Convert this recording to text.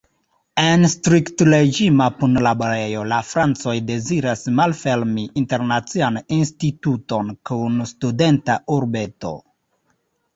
En striktreĝima punlaborejo la francoj deziras malfermi internacian instituton kun studenta urbeto.